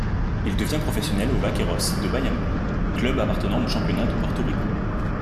Il devient professionnel aux Vaqueros de Bayamon, club appartenant au championnat de Porto Rico.